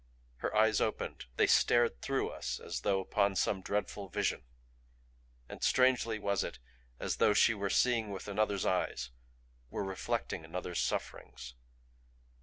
Her eyes opened; they stared through us as though upon some dreadful vision; and strangely was it as though she were seeing with another's eyes, were reflecting another's sufferings.